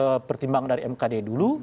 harus menunggu pertimbangan dari mkd dulu